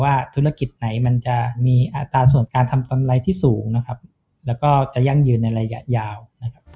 ธุรกิจไหนมันจะมีอัตราส่วนการทำกำไรที่สูงนะครับแล้วก็จะยั่งยืนในระยะยาวนะครับ